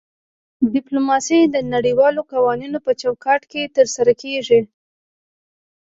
ډیپلوماسي د نړیوالو قوانینو په چوکاټ کې ترسره کیږي